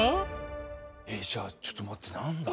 じゃあちょっと待ってなんだ？